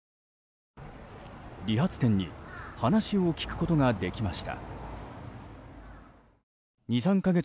理髪店に話を聞くことができました。